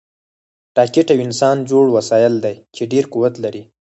راکټ یو انسانجوړ وسایل دي چې ډېر قوت لري